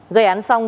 gây án xong